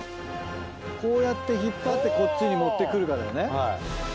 こうやって引っ張ってこっちに持って来るかだよね。